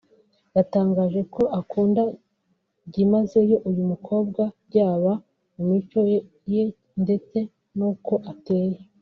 yatangaje ko akunda byimazeyo uyu mukobwa byaba mu mico ye ndetse n’uko ateye